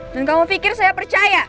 dan kamu pikir saya percaya